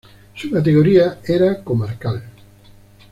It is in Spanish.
Su categoría era comarcal.